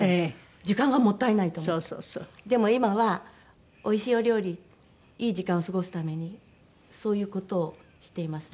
でも今はおいしいお料理いい時間を過ごすためにそういう事をしていますね。